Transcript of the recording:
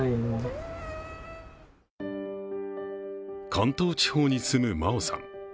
関東地方に住む、まおさん。